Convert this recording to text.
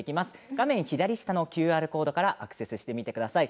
画面左下のＱＲコードからアクセスしてみてください。